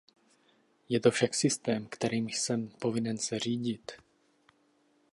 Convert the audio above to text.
Je to však systém, kterým jsem povinen se řídit.